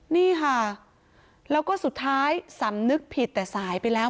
นี่ค่ะแล้วก็สุดท้ายสำนึกผิดแต่สายไปแล้ว